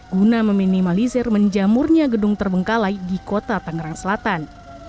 guna meminimalisir menjamurnya gedung terbengkalai di kota tangerang selatan